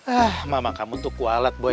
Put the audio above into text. ah mama kamu tuh kualet boy